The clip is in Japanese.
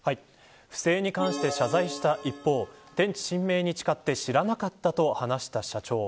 不正に関して謝罪した一方天地神明に誓って知らなかったと話した社長。